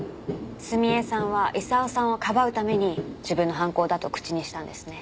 澄江さんは功さんを庇うために自分の犯行だと口にしたんですね。